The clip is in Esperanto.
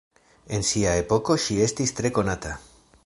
En sia epoko ŝi estis tre konata.